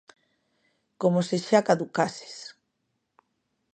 Como se xa caducases!